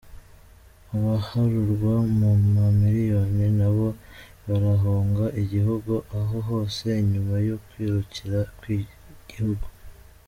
Abaharurwa mu ma miliyoni nabo barahunga igihugu, aho hose inyuma y'ukwikukira kw'igihugu.